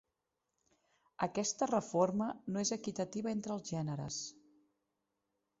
Aquesta reforma no és equitativa entre els gèneres.